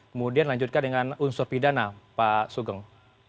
kemudian lanjutkan dengan unsur pidana pak sugeng